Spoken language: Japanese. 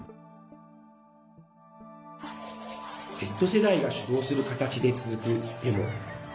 Ｚ世代が主導する形で続くデモ。